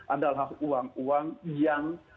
adalah uang uang yang